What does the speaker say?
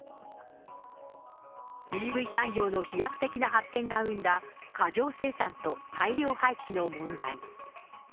ＥＶ産業の飛躍的な発展が生んだ、過剰生産と大量廃棄の問題。